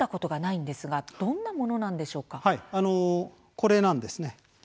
これなんです。